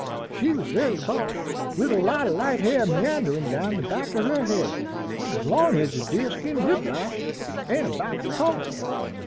"She was very tall, with a lot o' light hair meandering down the back of her head, as long as a deer skin whip lash, and about the color.